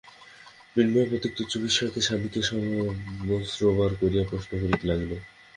মৃন্ময়ী প্রত্যেক তুচ্ছ বিষয়ে স্বামীকে সহস্রবার করিয়া প্রশ্ন করিতে লাগিল।